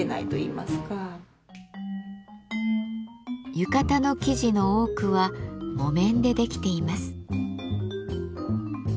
浴衣の生地の多くは木綿でできています。